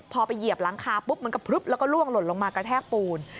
พอไปเหยียบหลังคาปุ๊บมันก็ล่วงหล่นลงมากระแทกปูน